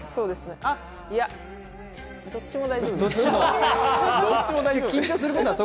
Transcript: いや、どっちも大丈夫です。